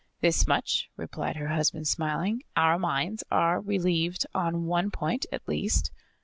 "This much," replied her husband, smiling. "Our minds are relieved on one point, at least.